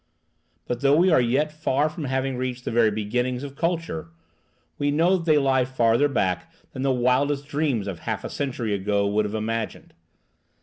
But though we are yet far from having reached the very beginnings of culture, we know that they lie farther back than the wildest dreams of half a century ago would have imagined.